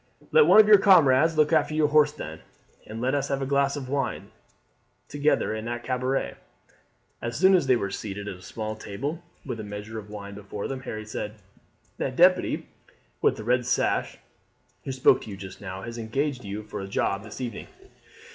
"Let one of your comrades look after your horse, then, and let us have a glass of wine together in that cabaret." As soon as they were seated at a small table with a measure of wine before them Harry said: "That deputy with the red sash who spoke to you just now has engaged you for a job this evening?"